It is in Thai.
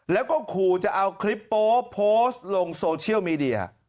แล้วก็ขู่จะเอาคลิปโป๊โพสต์ลงโซเชียลมีเดีย